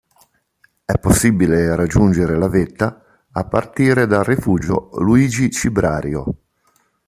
È possibile raggiungere la vetta a partire dal rifugio Luigi Cibrario.